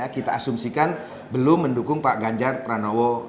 kita asumsikan belum mendukung pak ganjar pranowo